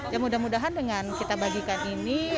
ya mudah mudahan dengan kita bagikan ini